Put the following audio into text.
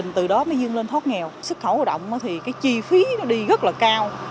từ đó mới dưng lên thoát nghèo xuất khẩu lao động thì cái chi phí nó đi rất là cao